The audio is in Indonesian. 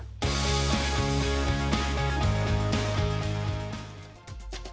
edo eka rizky evan askam jakarta